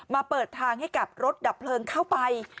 เปิดทางให้กับรถดับเพลิงเข้าไป